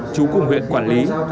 chú cùng huyện quản lý